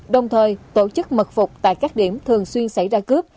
đồng thời tổ chức mật phục tại các điểm thường xuyên xảy ra cướp